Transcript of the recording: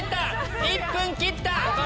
１分切った！